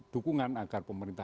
dukungan agar pemerintah